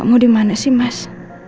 kak mo di mana sih mas